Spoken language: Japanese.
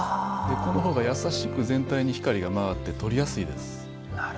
このほうが全体に優しく光が回って撮りやすいです。